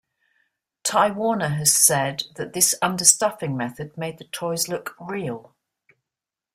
Ty Warner has said that this understuffing method made the toys look "real".